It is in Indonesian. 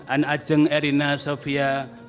anajeng erina sofiatun